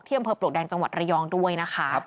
อำเภอปลวกแดงจังหวัดระยองด้วยนะคะ